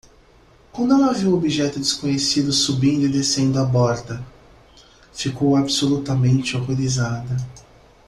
Quando ela viu o objeto desconhecido subindo e descendo a borda?, ficou absolutamente horrorizada.